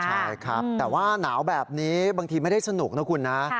ใช่ครับแต่ว่าหนาวแบบนี้บางทีไม่ได้สนุกนะคุณนะ